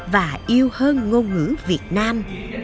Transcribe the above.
và yêu hơn ngôn ngữ việt nam